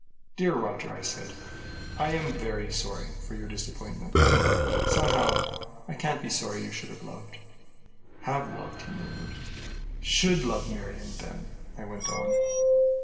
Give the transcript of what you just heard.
"Dear Roger!" I said, "I am very sorry for your disappointment. Somehow, I can't be sorry you should have loved" "Have loved!" he murmured. "Should love Marion, then," I went on.